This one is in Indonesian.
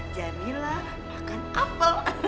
jamila makan apel